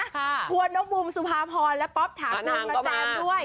คุณพาพรและป๊อปถามคุณมาจำด้วย